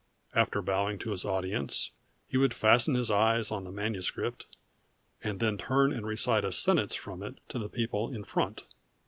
After bowing to his audience he would fasten his eyes on the manuscript and then turn and recite a sentence from it to the people in front.